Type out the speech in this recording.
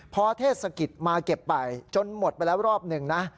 พอเทศกิจมาเก็บไปจนหมดไปแล้วรอบหนึ่งนะ